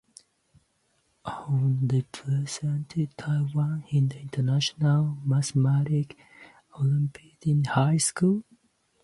Hon represented Taiwan in the International Mathematics Olympiad in high school.